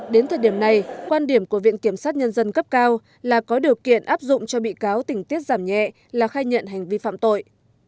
đến thời điểm này quan điểm của viện kiểm sát nhân dân cấp cao là có điều kiện áp dụng cho bị cáo tình tiết giảm nhẹ là khai nhận hành vi phạm tội